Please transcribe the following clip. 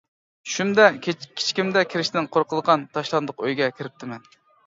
چۈشۈمدە كىچىكىمدە كىرىشتىن قورقىدىغان تاشلاندۇق ئۆيگە كىرىپتىمەن.